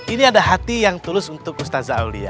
ini ada hati yang tulus untuk mustaza aulia